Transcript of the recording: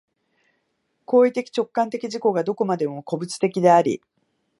行為的直観的自己がどこまでも個物的であり、